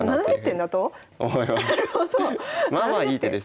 まあまあいい手です。